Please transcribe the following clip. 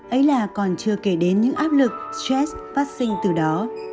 ấy là còn chưa kể đến những áp lực stress phát sinh từ đó